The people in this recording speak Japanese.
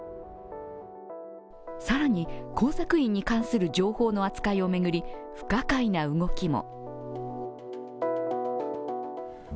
更に工作員に関する情報の扱いを巡り不可解な動きも。